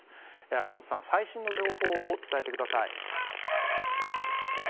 秋本さん、最新の情報を伝えてください。